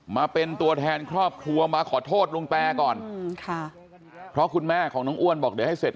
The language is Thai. มาเป็นตัวแทนครอบครัวมาขอโทษลุงแตก่อนเพราะคุณแม่ของน้องอ้วนบอกเดี๋ยวให้เสร็จ